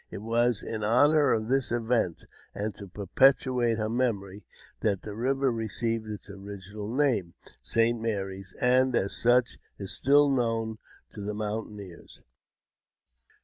It was in honour of this event, and to perpetuate her memory, that the river received its original name, St. Mary's, and as such is still known to the mountaineers.